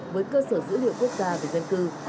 với cơ sở dữ liệu quốc gia về dân cư